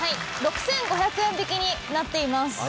６５００円引きになっています。